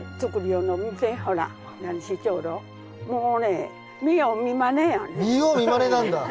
もうね見よう見まねなんだ。